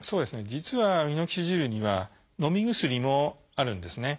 実はミノキシジルにはのみ薬もあるんですね。